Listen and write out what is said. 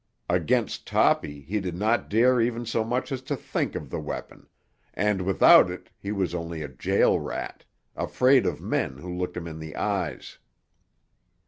Against Toppy he did not dare even so much as to think of the weapon, and without it he was only a jail rat, afraid of men who looked him in the eyes.